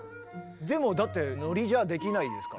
でもだってノリじゃできないですからね。